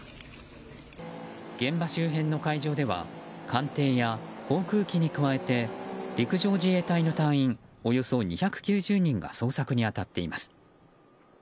現場周辺の海上では艦艇や航空機に加えて陸上自衛隊の隊員およそ２９０人が捜索に当たっています。